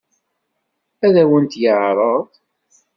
Ad awen-t-yeɛṛeḍ?